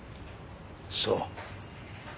そう。